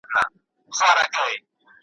نه یم په مالت کي اشیانې راپسي مه ګوره `